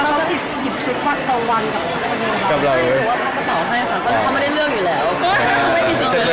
ก็คือจะปังคับไปในตัว